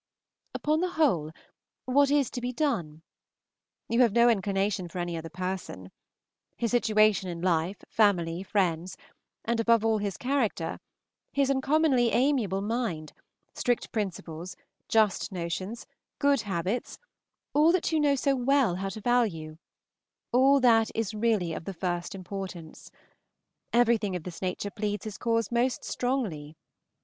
Upon the whole, what is to be done? You have no inclination for any other person. His situation in life, family, friends, and, above all, his character, his uncommonly amiable mind, strict principles, just notions, good habits, all that you know so well how to value, all that is really of the first importance, everything of this nature pleads his cause most strongly.